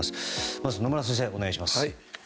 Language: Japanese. まず野村先生、お願いします。